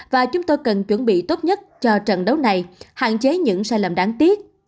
và chúng tôi cần chuẩn bị tốt nhất cho trận đấu này hạn chế những sai lầm đáng tiếc